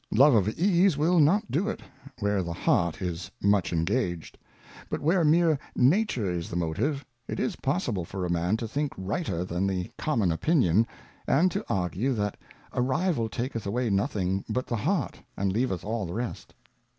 Love of Ease will not do it, where the Heart is much engaged ; but where mere Nature is the Motive, it is possible for a Man to think righter than the common opinion, and to argue, that a Rival taketh away nothing but the Heart, and leaveth all the rest.